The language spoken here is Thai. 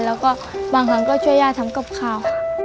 แล้วก็บางครั้งก็ช่วยย่าทำกับข้าว